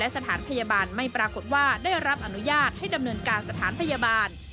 สถานพยาบาลไม่ปรากฏว่าได้รับอนุญาตให้ดำเนินการสถานพยาบาล